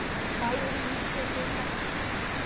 バイオリンに集中したくて